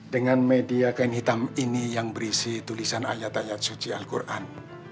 dengan media kain hitam ini yang berisi tulisan ayat ayat suci al quran